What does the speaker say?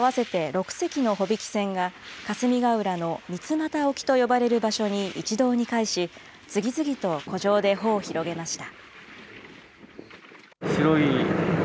きのうは３し合わせて６隻の帆引き船が、霞ヶ浦のみつまた沖と呼ばれる場所に一堂に会し、次々と湖上で帆を広げました。